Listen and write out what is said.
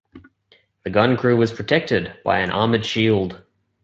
The gun crew was protected by an armoured shield.